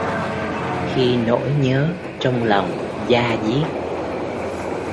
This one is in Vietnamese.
Khi nỗi nhớ trong lòng da diết